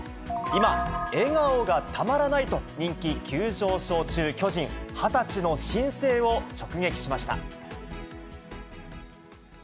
今、笑顔がたまらないと人気急上昇中、巨人、２０歳の新星を直撃しました。